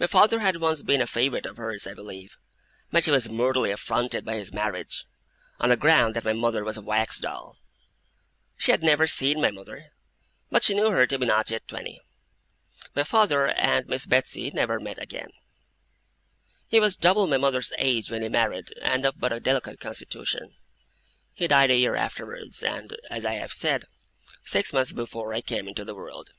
My father had once been a favourite of hers, I believe; but she was mortally affronted by his marriage, on the ground that my mother was 'a wax doll'. She had never seen my mother, but she knew her to be not yet twenty. My father and Miss Betsey never met again. He was double my mother's age when he married, and of but a delicate constitution. He died a year afterwards, and, as I have said, six months before I came into the world.